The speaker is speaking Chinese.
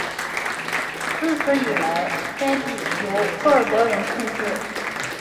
自此以来该地由库尔德人控制。